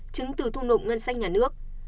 chứng từ thu nộm ngân sách nhà nước